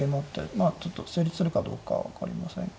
まあちょっと成立するかどうか分かりませんけれど。